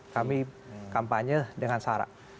kami kampanye dengan sara